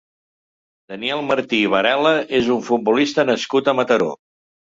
Daniel Martí i Varela és un futbolista nascut a Mataró.